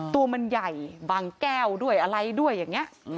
ตัวมันใหญ่บางแก้วด้วยอะไรด้วยอย่างนี้